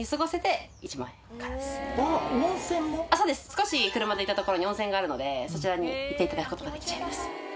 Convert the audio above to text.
少し車で行った所に温泉があるのでそちらに行っていただくことができちゃいます。